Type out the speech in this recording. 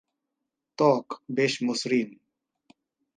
ত্বক বেশ মসৃণ।